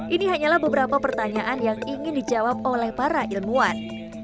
ini hanyalah beberapa pertanyaan yang ingin dijawab oleh para ilmuwan